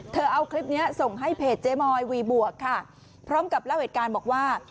เอาคลิปนี้ส่งให้เพจเจ๊มอยวีบวกค่ะพร้อมกับเล่าเหตุการณ์บอกว่า